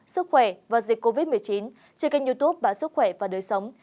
sức khỏe và dịch covid một mươi chín trên kênh youtube báo sức khỏe và đời sống